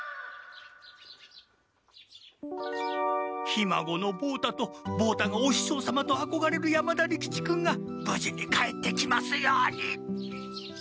ひまごの望太と望太が「おししょう様」とあこがれる山田利吉君がぶじに帰ってきますように。